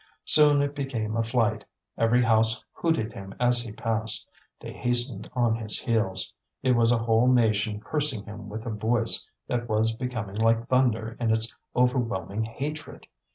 Soon it became a flight; every house hooted him as he passed, they hastened on his heels, it was a whole nation cursing him with a voice that was becoming like thunder in its overwhelming hatred.